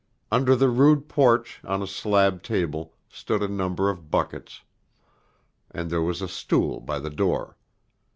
Under the rude porch on a slab table stood a number of buckets, and there was a stool by the door.